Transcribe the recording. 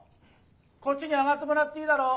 こっちに上がってもらっていいだろう？